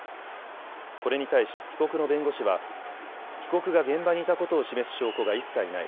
これに対し被告の弁護士は被告が現場にいたことを示す証拠が一切ない。